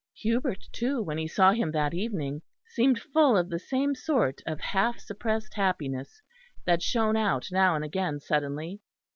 Hubert, too, when he saw him that evening seemed full of the same sort of half suppressed happiness that shone out now and again suddenly.